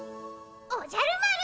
おじゃる丸！